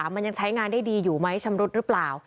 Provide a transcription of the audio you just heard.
มันยังใช้งานได้ดีอยู่ไหมชำรุดหรือเปล่า